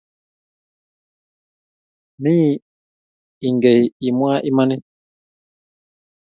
Me engei imwae imanit